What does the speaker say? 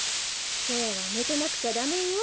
きょうはねてなくちゃダメよ。